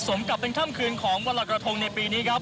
สมกับเป็นค่ำคืนของวันรอยกระทงในปีนี้ครับ